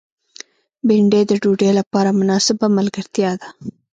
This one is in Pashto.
بېنډۍ د ډوډۍ لپاره مناسبه ملګرتیا ده